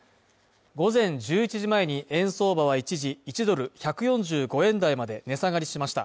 午前１１時前に円相場は一時１ドル＝１４５円台まで値下がりしました。